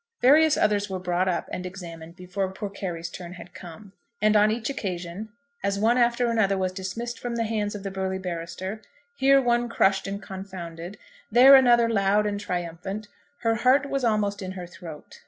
Various others were brought up and examined before poor Carry's turn had come; and on each occasion, as one after another was dismissed from the hands of the burly barrister, here one crushed and confounded, there another loud and triumphant, her heart was almost in her throat.